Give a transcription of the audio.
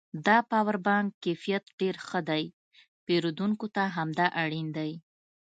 د پاور بانک کیفیت ډېر ښه دی پېرودونکو ته همدا اړین دی